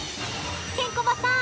ケンコバさん